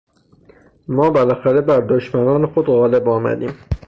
ما بالاخره بر دشمنان خود غالب آمدیم.